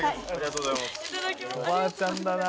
おばあちゃんだな。